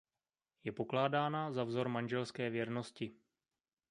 Je pokládána za vzor manželské věrnosti.